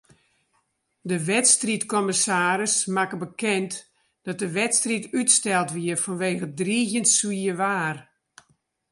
De wedstriidkommissaris makke bekend dat de wedstriid útsteld wie fanwege driigjend swier waar.